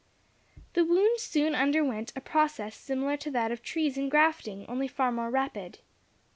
The wound soon underwent a process similar to that of trees in grafting, only far more rapid.